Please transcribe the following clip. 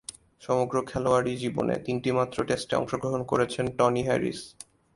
সমগ্র খেলোয়াড়ী জীবনে তিনটিমাত্র টেস্টে অংশগ্রহণ করেছেন টনি হ্যারিস।